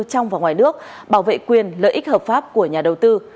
trong và ngoài nước bảo vệ quyền lợi ích hợp pháp của nhà đầu tư